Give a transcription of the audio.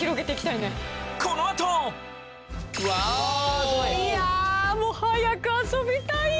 いやぁもう早く遊びたいよ。